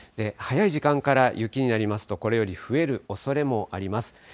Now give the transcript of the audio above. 早い時間から雪になりますと、これより増えるおそれもあります。